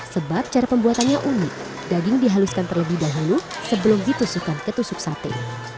sebab cara pembuatannya unik daging dihaluskan terlebih dahulu sebelum ditusukkan ke tusuk sate